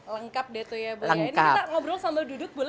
lengkap deh itu ya bu ini kita ngobrol sambil duduk boleh ya